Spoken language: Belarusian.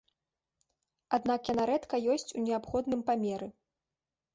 Аднак яна рэдка ёсць у неабходным памеры.